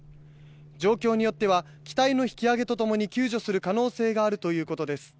状況によっては機体の引き揚げとともに救助する可能性があるということです。